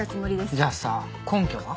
じゃあさ根拠は？